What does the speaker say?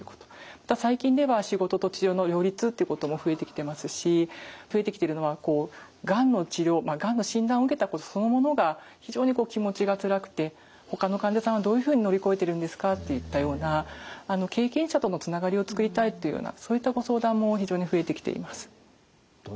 また最近では仕事と治療の両立っていうことも増えてきてますし増えてきてるのはがんの治療がんの診断を受けたことそのものが非常に気持ちがつらくてほかの患者さんはどういうふうに乗り越えてるんですかといったような経験者とのつながりを作りたいというようなそういったご相談も非常に増えてきています。